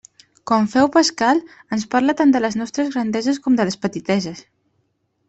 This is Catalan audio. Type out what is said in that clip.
Com féu Pascal, ens parla tant de les nostres grandeses com de les petiteses.